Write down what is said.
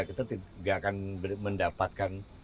kita tidak akan mendapatkan